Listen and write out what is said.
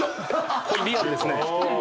これリアルですね。